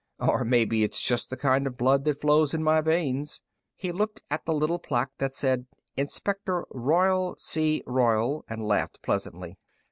"Or maybe it's just the kind of blood that flows in my veins." He looked at the little plaque that said Inspector Royal C. Royall and laughed pleasantly.